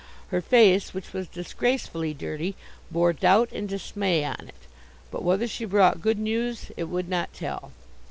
Her face, which was disgracefully dirty, bore doubt and dismay on it, but whether she brought good news it would not tell.